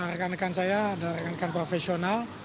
rekan rekan saya adalah rekan rekan profesional